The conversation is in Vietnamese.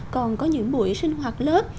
còn có những buổi sinh hoạt lớp